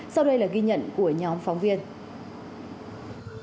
sau đây là ghi nhận của nhóm phóng viên